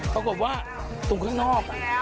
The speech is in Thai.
ปรากฏว่าตรงข้างนอก